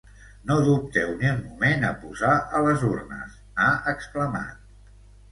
No dubteu ni un moment a posar a les urnes, ha exclamat.